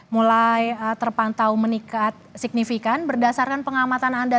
mulai terpantau meningkat signifikan berdasarkan pengamatan anda